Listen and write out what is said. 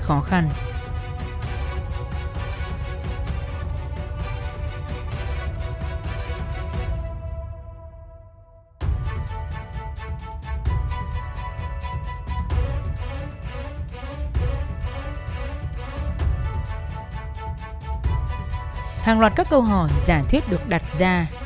hàng loạt các câu hỏi giả thuyết được đặt ra